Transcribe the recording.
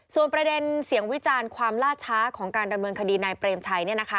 ส่วนประเด็นเสียงวิจารณ์ความล่าช้าของการดำเนินคดีนายเปรมชัย